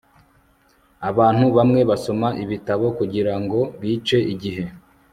abantu bamwe basoma ibitabo kugirango bice igihe